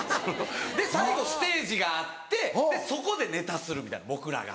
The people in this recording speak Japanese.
最後ステージがあってそこでネタするみたいな僕らが。